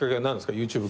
ＹｏｕＴｕｂｅ